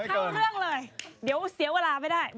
ทั้งเรื่องเลยเดี๋ยวเสียเวลาไม่ได้